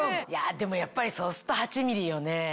でもやっぱりそうすると８ｍｍよね。